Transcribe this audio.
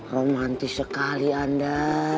romantis sekali anda